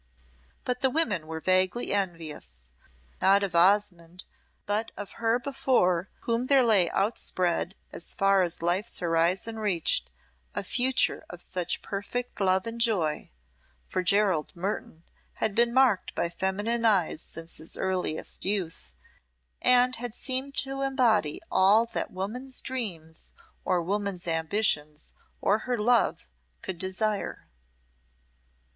But the women were vaguely envious, not of Osmonde, but of her before whom there lay outspread as far as life's horizon reached, a future of such perfect love and joy; for Gerald Mertoun had been marked by feminine eyes since his earliest youth, and had seemed to embody all that woman's dreams or woman's ambitions or her love could desire.